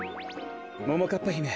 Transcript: ももかっぱひめ